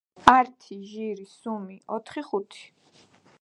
ართი, ჟირი , სუმი, ოთხი, ხუთი